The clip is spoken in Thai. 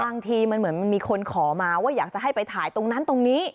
บางทีมันเหมือนมีคนขอมาว่าอยากจะให้ไปถ่ายตรงนั้นตรงนี้